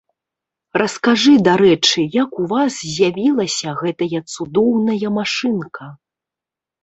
Раскажы, дарэчы, як у вас з'явілася гэтая цудоўная машынка?